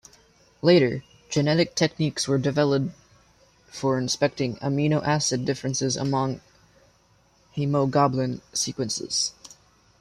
Later, genetic techniques were developed for inspecting amino acid differences among haemoglobin sequences.